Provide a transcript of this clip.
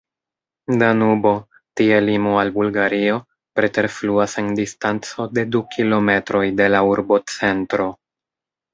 Danubo, tie limo al Bulgario, preterfluas en distanco de du kilometroj de la urbocentro.